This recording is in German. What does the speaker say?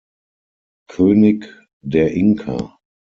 König der Inka.